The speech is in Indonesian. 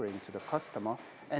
yang diberikan kepada pelanggan